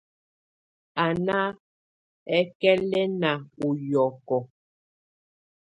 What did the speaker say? Á nà ǝkɛ̀lǝ̀na ù yɔ̀kɔ̀.